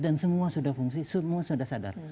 dan semua sudah fungsi semua sudah sadar